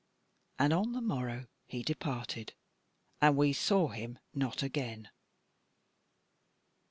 And on the morrow he departed and we saw him not again.